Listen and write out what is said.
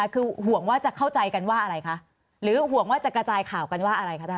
คือห่วงว่าจะเข้าใจกันว่าอะไรคะหรือห่วงว่าจะกระจายข่าวกันว่าอะไรก็ได้